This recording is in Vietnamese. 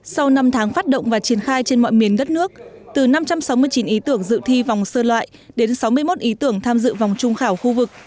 sau năm tháng phát động và triển khai trên mọi miền đất nước từ năm trăm sáu mươi chín ý tưởng dự thi vòng sơ loại đến sáu mươi một ý tưởng tham dự vòng trung khảo khu vực